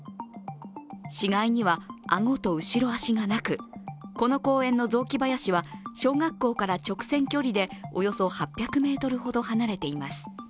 死骸には顎と後ろ足がなく、この公園の雑木林は小学校から直線距離でおよそ８００ｍほど離れています。